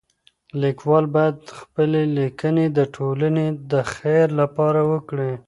ليکوال بايد خپلي ليکنې د ټولني د خير لپاره وکړي.